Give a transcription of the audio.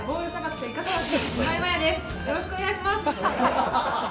よろしくお願いします！